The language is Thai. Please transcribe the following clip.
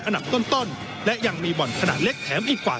อันดับต้นและยังมีบ่อนขนาดเล็กแถมอีกกว่า